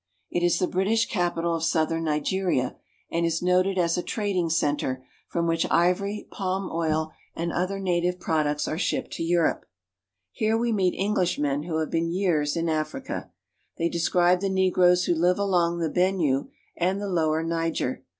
It is the British capi tal of southern Nigeria ; and is noted as a trading center from which ivory, palm oil, and other native products are shipped to Europe. Here we meet Englishmen who have been years in Africa. They describe the negroes who live along the Benue and the lower Niger.